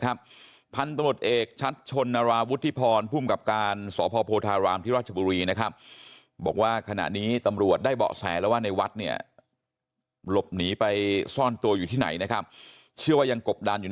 แล้ววัฒน์ตรวจหาสารเสบติดนะครับ